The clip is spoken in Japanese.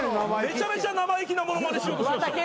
めちゃめちゃ生意気な物まねしようとしてました。